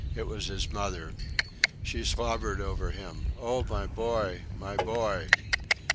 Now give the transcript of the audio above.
It was his mother. She slobbered over him: "O, my boy! My boy!"